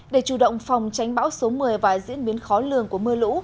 để chủ động phòng tránh bão số một mươi và diễn biến khó lường của mưa lũ